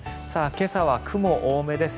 今朝は雲が多めです。